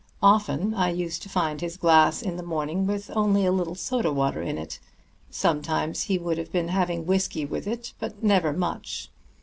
Often I used to find his glass in the morning with only a little soda water in it; sometimes he would have been having whisky with it, but never much.